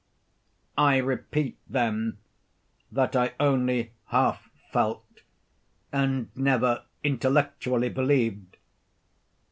"I repeat, then, that I only half felt, and never intellectually believed.